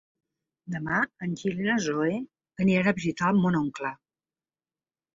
Demà en Gil i na Zoè aniran a visitar mon oncle.